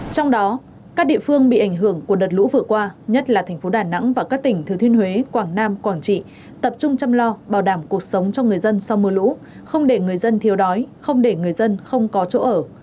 trong đó các địa phương bị ảnh hưởng của đợt lũ vừa qua nhất là thành phố đà nẵng và các tỉnh thừa thiên huế quảng nam quảng trị tập trung chăm lo bảo đảm cuộc sống cho người dân sau mưa lũ không để người dân thiếu đói không để người dân không có chỗ ở